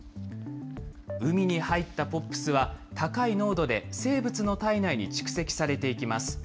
海に入ったＰＯＰｓは、高い濃度で生物の体内に蓄積されていきます。